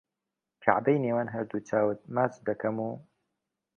کەعبەی نێوان هەردوو چاوت ماچ دەکەم و